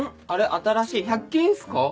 新しい？１００均っすか？